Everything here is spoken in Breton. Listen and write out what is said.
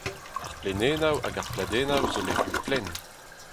Ar plaenennoù hag ar pladennoù zo lec'hioù plaen.